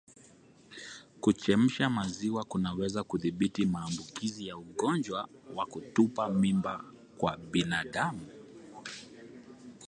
Kuchemsha maziwa kunaweza kudhibiti maambukizi ya ugonjwa wa kutupa mimba kwa binadamu